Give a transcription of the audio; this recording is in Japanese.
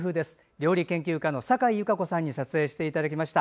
料理研究家のサカイ優佳子さんに撮影していただきました。